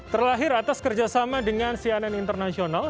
terlahir atas kerjasama dengan cnn internasional